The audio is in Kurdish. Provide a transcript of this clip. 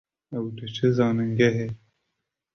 Ew diçe zanîngehê